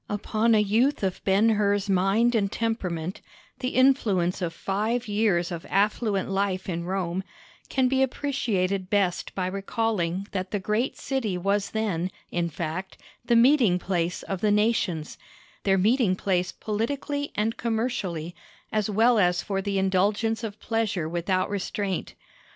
Upon a youth of Ben Hur's mind and temperament the influence of five years of affluent life in Rome can be appreciated best by recalling that the great city was then, in fact, the meeting place of the nations—their meeting place politically and commercially, as well as for the indulgence of pleasure without restraint.